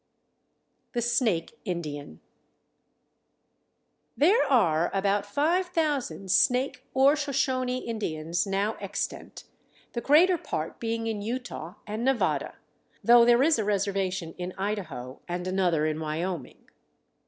The Snake Indian. There are about 5,000 Snake or Shoshone Indians now extant, the greater part being in Utah and Nevada, though there is a reservation in Idaho and another in Wyoming.